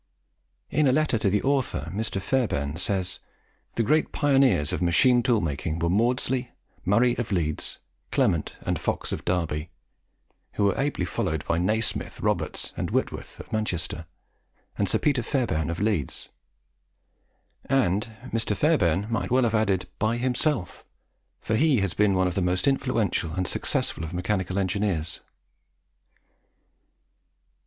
In a letter to the author, Mr. Fairbairn says, "The great pioneers of machine tool making were Maudslay, Murray of Leeds, Clement and Fox of Derby, who were ably followed by Nasmyth, Roberts, and Whitworth, of Manchester, and Sir Peter Fairbairn of Leeds; and Mr. Fairbairn might well have added, by himself, for he has been one of the most influential and successful of mechanical engineers.